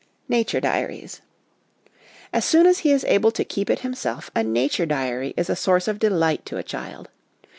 Nature Diaries. As soon as he is able to keep it himself, a nature diary is a source of delight to a child.